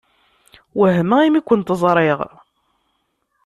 Wehmeɣ imi kent-ẓṛiɣ.